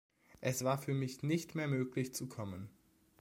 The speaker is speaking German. Es war für mich nicht mehr möglich zu kommen.